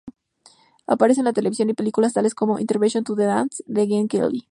Apareció en televisión y películas tales como "Invitation to the Dance" de Gene Kelly.